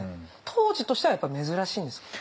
当時としてはやっぱ珍しいんですか？